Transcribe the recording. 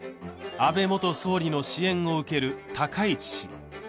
安倍元総理の支援を受ける高市氏